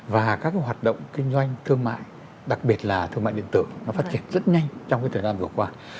và các hoạt động kinh doanh thương mại đặc biệt là thương mại điện tử nó phát triển rất nhanh trong cái thời gian vừa qua